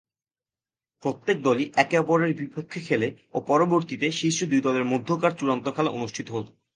প্রত্যেক দলই একে-অপরের বিপক্ষে খেলে ও পরবর্তীতে শীর্ষ দুই দলের মধ্যকার চূড়ান্ত খেলা অনুষ্ঠিত হতো।